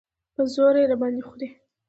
په زوره یې راباندې خورې.